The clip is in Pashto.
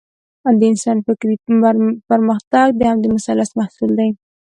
د انسان فکري پرمختګ د همدې مثلث محصول دی.